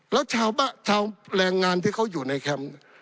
แล้วชาวบ้านชาวแรงงานที่เขาอยู่ในแคมป์